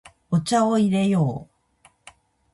お茶を入れよう。